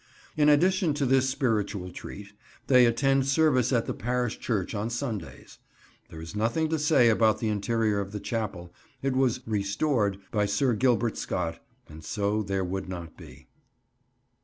In addition to this spiritual treat, they attend service at the parish church on Sundays. There is nothing to say about the interior of the chapel; it was "restored" by Sir Gilbert Scott, and so there would not be.